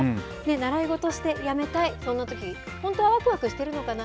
習い事してやめたい、そんなとき、本当はわくわくしてるのかな？